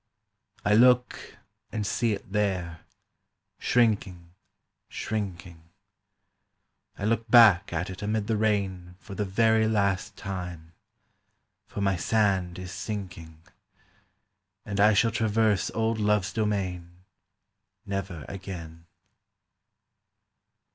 I look and see it there, shrinking, shrinking, I look back at it amid the rain For the very last time; for my sand is sinking, And I shall traverse old love's domain Never again.